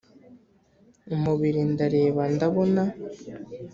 umubiri ndareba ndabona